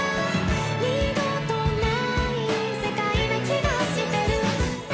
「二度とない世界な気がしてる」